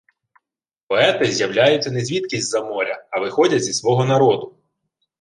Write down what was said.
Поети з’являються не звідкись з-за моря, а виходять зі свого народу.